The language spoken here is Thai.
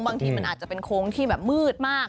บางทีมันอาจจะเป็นโค้งที่แบบมืดมาก